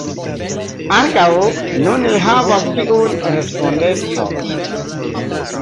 Ankaŭ nun li havas tiun respondecon.